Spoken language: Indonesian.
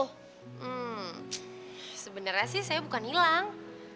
hmm sebenarnya sih saya bukan hilang